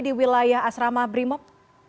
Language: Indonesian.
di wilayah asrama brimob